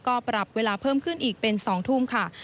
ก็ปรับเวลาเพิ่มขึ้นอีกเป็น๒ทุ่มค่ะ